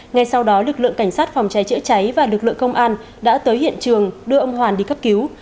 ngay sau đó lực lượng cảnh sát phòng cháy chữa cháy và lực lượng công an đã tới hiện trường đưa ông hoàn đi cấp cứu